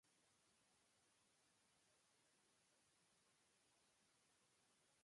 灰色のコンクリートで周りを囲まれていて、薄暗くて、静かで、ひっそりとしている